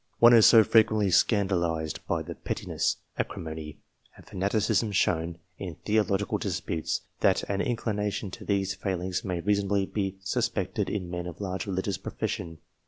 One is so frequently scandalised by the pettiness, acrimony, and fanaticism shown in theological disputes, that an inclination to these failings may reason ably be suspected in men of large religious profession.